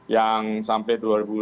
yang sampai dua ribu dua puluh